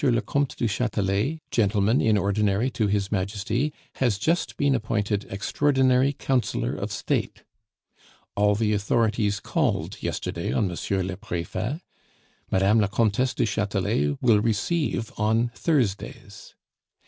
le Comte du Chatelet, Gentleman in Ordinary to His Majesty, has just been appointed Extraordinary Councillor of State. "All the authorities called yesterday on M. le Prefet. "Mme. la Comtesse du Chatelet will receive on Thursdays.